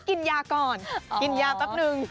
นี่กินยาก่อนกินยาแปปนึง